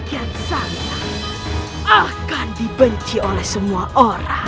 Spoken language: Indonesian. dia akan dibenci oleh semua orang